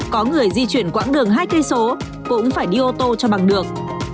có người di chuyển quãng đường hai km cũng phải đi ô tô cho bằng được